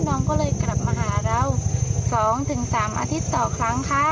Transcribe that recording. น้องก็เลยกลับมาหาเรา๒๓อาทิตย์ต่อครั้งค่ะ